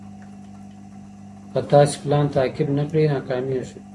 که تاسي پلان تعقيب نه کړئ، ناکامېږئ.